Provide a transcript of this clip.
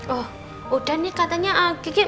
oh udah nih katanya agik